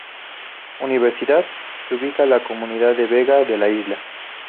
Universidad, se ubica la comunidad de Vega de la Isla.